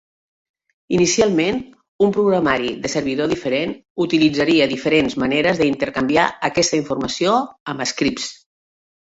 Inicialment, un programari de servidor diferent utilitzaria diferents maneres d'intercanviar aquesta informació amb scripts.